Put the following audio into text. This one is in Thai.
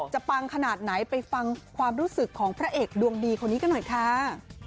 ปังขนาดไหนไปฟังความรู้สึกของพระเอกดวงดีคนนี้กันหน่อยค่ะ